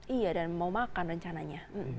iya dan mau makan rencananya